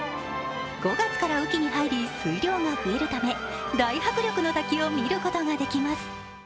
５月から雨季に入り水量が増えるため大迫力の滝を見ることができます。